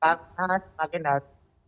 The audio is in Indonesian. karena semakin dahulu